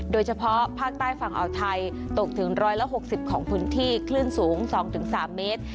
โดยเฉพาะภาคใต้ฝั่งอ่าวไทยตกถึง๑๖๐ของพื้นที่คลื่นสูง๒๓เมตร